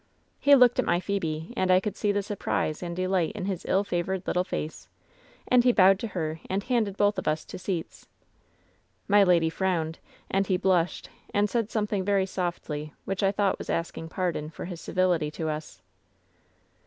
He looked at my Phebe, and I could see the surprise and delight in his ill favored little face, and he bowed to her, and handed both of us to seats. My lady frowned, and he blushed, and said something very softly, which I thought was asking pardon for his civility to us.